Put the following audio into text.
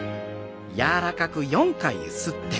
柔らかくゆすって。